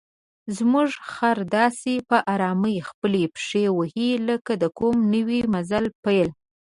زموږ خر داسې په آرامۍ خپلې پښې وهي لکه د کوم نوي مزل پیل.